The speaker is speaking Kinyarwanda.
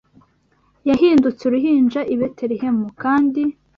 yahindutse uruhinja i Betelehemu, kandi